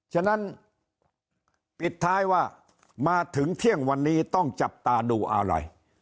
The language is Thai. ฉะนั้นปิดท้ายว่ามาถึงเที่ยงวันนี้ต้องจับตาดูอะไร